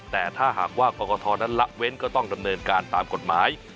แต่ถ้าหากว่ากรกฐนั้นละเว้นก็ต้องดำเนินการตามกฎหมาย